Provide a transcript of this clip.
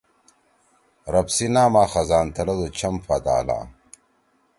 رب سی نامہ خزان تھلدُو چھم پھا تالہ